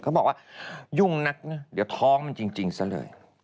เขาบอกว่ายุ่งนักนะเดี๋ยวท้องมันจริงซะเลย